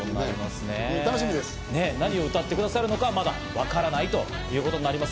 何を歌ってくださるのか、まだわからないということになります。